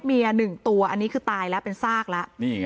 มีตายแล้วเป็นซากละ